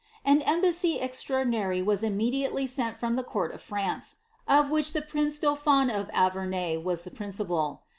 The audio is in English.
An embassy extraordinary was imme diately sent from the court of France ; of which the prince dauphin of Auvei^e was the principal.